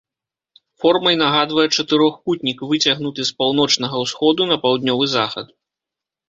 Формай нагадвае чатырохкутнік, выцягнуты з паўночнага ўсходу на паўднёвы захад.